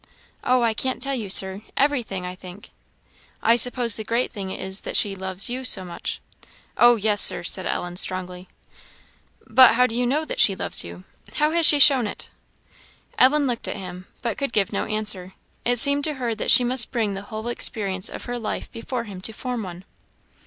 "Oh, I can't tell you, Sir; everything, I think." "I suppose the great thing is that she loves you so much?" "Oh yes, Sir," said Ellen, strongly. "But how do you know that she loves you? how has she shown it?" Ellen looked at him, but could give no answer; it seemed to her that she must bring the whole experience of her life before him to form one.